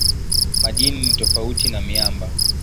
Madini ni tofauti na miamba.